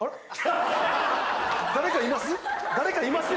誰かいます？